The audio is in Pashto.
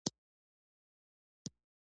چې زور قوي شي، موږ کمزوري کېږو.